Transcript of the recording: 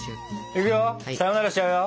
いくよさよならしちゃうよ。